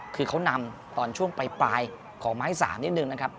คือเขานำตอนช่วงปลายของไม้๓นิดนึงนะครับ